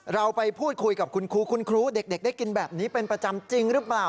เราไปพูดคุยกับคุณครูคุณครูเด็กได้กินแบบนี้เป็นประจำจริงหรือเปล่า